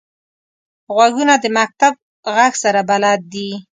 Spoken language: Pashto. غوږونه د مکتب غږ سره بلد دي